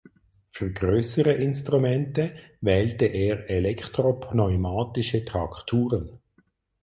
Für größere Instrumente wählte er elektropneumatische Trakturen.